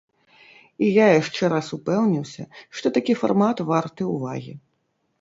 І я яшчэ раз упэўніўся, што такі фармат варты ўвагі.